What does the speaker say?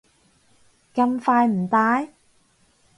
咁快唔戴？